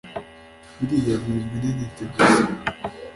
biriya bizwi ni ntiti gusa